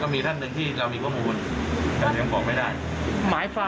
มีสิ่งที่ว่าถ้าหายไปนี่คือติดต่อมาดีหรือครับ